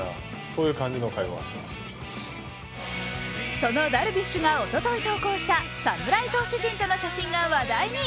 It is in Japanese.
そのダルビッシュがおととい投稿した侍投手陣との写真が話題に。